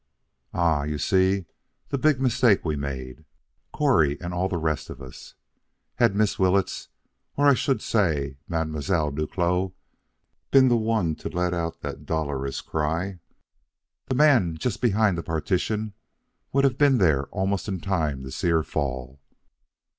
"Ah, you see the big mistake we made, Correy and all the rest of us. Had Miss Willetts, or I should say, Mademoiselle Duclos, been the one to let out that dolorous cry, the man just behind the partition would have been there almost in time to see her fall.